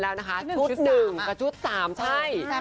สุด๑และสุด๓ให้